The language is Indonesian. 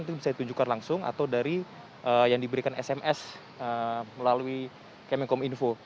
itu bisa ditunjukkan langsung atau dari yang diberikan sms melalui kemenkom info